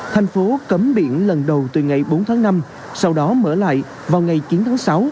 thành phố cấm biển lần đầu từ ngày bốn tháng năm sau đó mở lại vào ngày chín tháng sáu